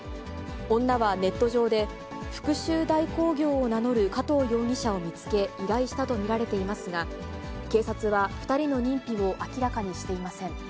女はネット上で、復しゅう代行業を名乗る加藤容疑者を見つけ、依頼したと見られていますが、警察は２人の認否を明らかにしていません。